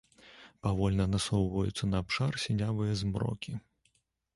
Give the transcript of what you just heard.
Павольна насоўваюцца на абшар сінявыя змрокі.